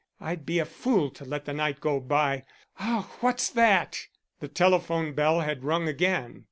I'd be a fool to let the night go by Ah! what's that?" The telephone bell had rung again.